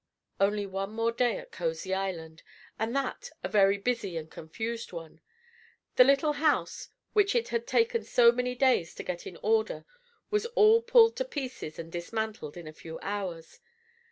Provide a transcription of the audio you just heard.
Only one more day at Causey Island, and that a very busy and confused one. The little house, which it had taken so many days to get in order, was all pulled to pieces and dismantled in a few hours.